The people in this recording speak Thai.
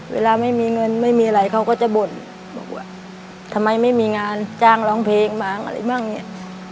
เวลาไม่มีเงินไม่มีอะไรเขาก็จะบ่นบอกว่าทำไมไม่มีงานจ้างร้องเพลงบ้างอะไรบ้างเนี่ย